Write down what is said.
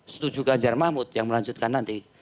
setuju ganjar mahmud yang melanjutkan nanti